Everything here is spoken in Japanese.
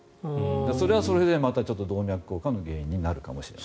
それはそれで動脈硬化の原因になるかもしれない。